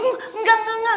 enggak enggak enggak